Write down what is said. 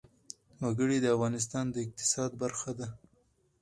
وګړي د افغانستان د اقتصاد برخه ده.